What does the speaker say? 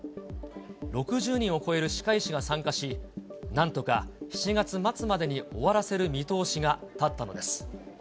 ６０人を超える歯科医師が参加し、なんとか７月末までに終わらせる見通しが立ったのです。